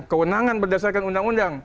kewenangan berdasarkan undang undang